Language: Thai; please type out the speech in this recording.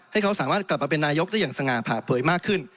ให้เขาสามารถกลับมาเป็นนายกได้อย่างสง่าผ่าเผยมากขึ้น